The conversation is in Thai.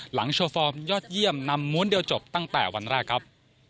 โชว์ฟอร์มยอดเยี่ยมนำม้วนเดียวจบตั้งแต่วันแรกครับ